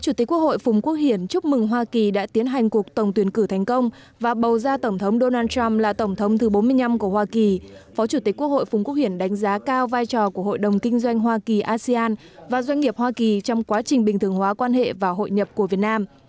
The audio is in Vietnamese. chủ tịch quốc hội nguyễn thị kim ngân đã tiến hành cuộc tổng tuyển cử thành công và bầu ra tổng thống donald trump là tổng thống thứ bốn mươi năm của hoa kỳ phó chủ tịch quốc hội phúng quốc hiển đánh giá cao vai trò của hội đồng kinh doanh hoa kỳ asean và doanh nghiệp hoa kỳ trong quá trình bình thường hóa quan hệ và hội nhập của việt nam